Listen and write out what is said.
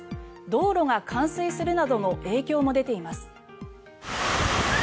道路が冠水するなどの影響も出ています。